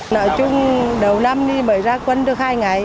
nói chung đầu năm đi bởi ra quân được hai ngày